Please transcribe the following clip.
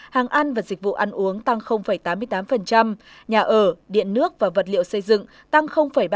hàng ăn và dịch vụ ăn uống tăng tám mươi tám nhà ở điện nước và vật liệu xây dựng tăng ba mươi ba